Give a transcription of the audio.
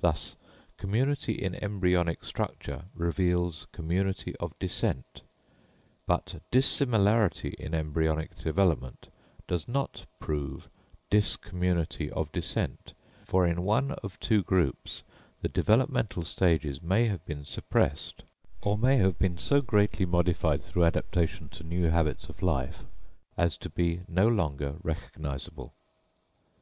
Thus, community in embryonic structure reveals community of descent; but dissimilarity in embryonic development does not prove discommunity of descent, for in one of two groups the developmental stages may have been suppressed, or may have been so greatly modified through adaptation to new habits of life as to be no longer recognisable.